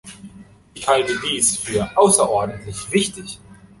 Ich halte dies für außerordentlich wichtig.